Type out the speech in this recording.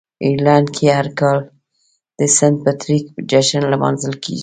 آیرلنډ کې هر کال د "سینټ پیټریک" جشن لمانځل کیږي.